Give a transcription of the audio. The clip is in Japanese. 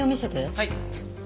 はい。